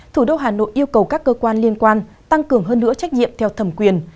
thủ đô hà nội yêu cầu các cơ quan liên quan tăng cường hơn nữa trách nhiệm theo thẩm quyền